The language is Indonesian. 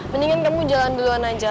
mendingan kamu jalan duluan aja